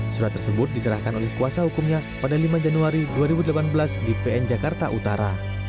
surat tersebut diserahkan oleh kuasa hukumnya pada lima januari dua ribu delapan belas di pn jakarta utara